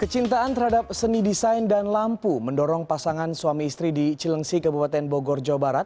kecintaan terhadap seni desain dan lampu mendorong pasangan suami istri di cilengsi kabupaten bogor jawa barat